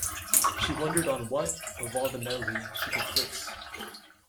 She wondered on what, of all the medley, she could fix.